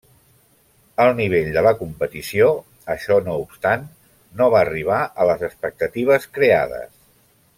El nivell de la competició, això no obstant, no va arribar a les expectatives creades.